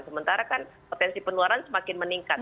sementara kan potensi penularan semakin meningkat